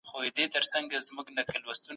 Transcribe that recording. فشار د مرستې غوښتلو شرم زیاتوي.